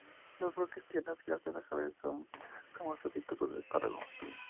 Los brotes tiernos y las hojas a veces como sustitutos del espárrago.